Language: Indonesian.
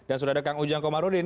dan sudah ada kang ujang komarudin